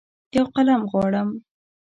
یوقلم غواړم